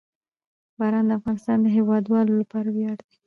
باران د افغانستان د هیوادوالو لپاره ویاړ دی.